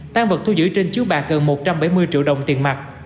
tan vật thu giữ trên chiếu bạc gần một trăm bảy mươi triệu đồng tiền mặt